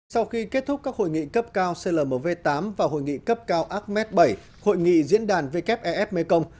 sau khi kết thúc các hội nghị cấp cao clmv tám và hội nghị cấp cao ammed bảy hội nghị diễn đàn wef mekong